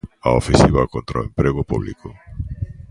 'A ofensiva contra o emprego público'.